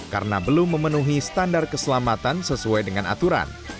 karena belum memenuhi standar keselamatan sesuai dengan aturan